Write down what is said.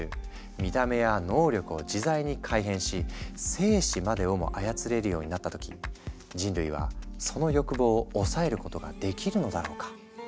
見た目や能力を自在に改変し生死までをも操れるようになった時人類はその欲望を抑えることができるのだろうか。